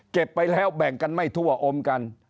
ไปแล้วแบ่งกันไม่ทั่วอมกัน